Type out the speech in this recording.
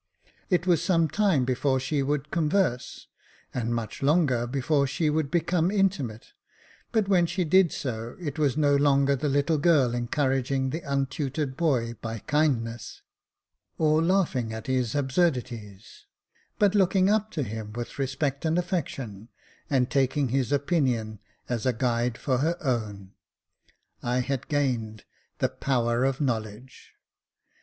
It was some time before she would converse, and much longer before she would become intimate •, but when she did so, it was no longer the little girl encouraging the untutored boy by kindness, or laughing at his absurdities, but looking up to him with respect and affection, and taking his opinion as a guide for her own. I had gained the power of knowledge.